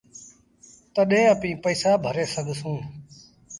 تڏهيݩ اپيٚن پئيٚسآ ڀري سگھسون